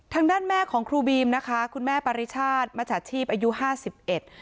ทางด้านแม่ของครูบีมนะคะคุณแม่ปริชาติมัจฉาชีพอายุห้าสิบเอ็ด